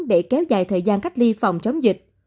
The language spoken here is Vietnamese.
để kéo dài thời gian cách ly phòng chống dịch